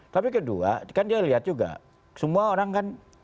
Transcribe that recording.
tapi kedua kan dia lihat juga semua orang kan ngerti soal ini pasti kan